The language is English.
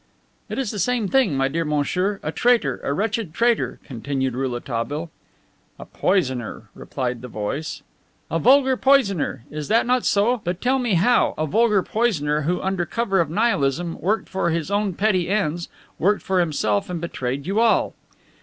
"It is the same thing, my dear monsieur. A traitor, a wretched traitor," continued Rouletabille. "A poisoner," replied the voice. "A vulgar poisoner! Is that not so? But, tell me how a vulgar poisoner who, under cover of Nihilism, worked for his own petty ends, worked for himself and betrayed you all!"